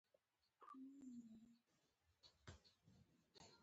زه د کارکوونکو ایمیلونه تنظیموم.